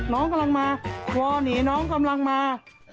น้องกำลังมาคอหนีน้องกำลังมา